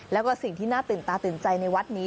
แล้วก็สิ่งที่น่าตื่นตาตื่นใจในวัดนี้